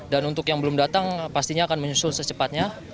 dan untuk yang belum datang pastinya akan menyusul secepatnya